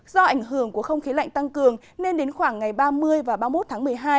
do ảnh hưởng của không khí lạnh tăng cường nên đến khoảng ngày ba mươi và ba mươi một tháng một mươi hai